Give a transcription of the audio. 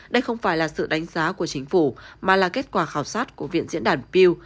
đây không phải là sự đánh giá của chính phủ mà là kết quả khảo sát của viện diễn đàn pew